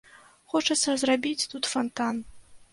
Хочацца зрабіць тут фантан.